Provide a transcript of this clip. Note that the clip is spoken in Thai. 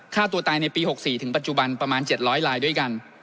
ฆ่าตัวตายในปี๖๔ถึงปัจจุบันประมาณ๗๐๐ลายด้วยกัน